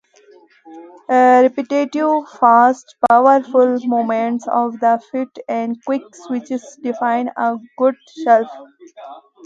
Repetitive, fast, powerful movements of the feet and quick switches define a good shuffle.